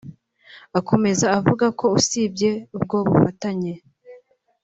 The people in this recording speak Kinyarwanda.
Akomeza avuga ko usibye ubwo bufatanye